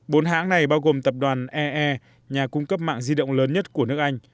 bốn hãng này bao gồm tập đoàn ee nhà cung cấp mạng di động lớn nhất của nước anh